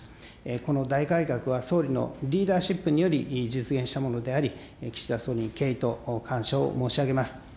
この大改革は総理のリーダーシップにより実現したものであり、岸田総理に敬意と感謝を申し上げます。